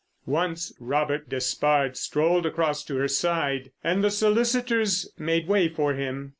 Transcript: _" Once Robert Despard strolled across to her side, and the solicitors made way for him.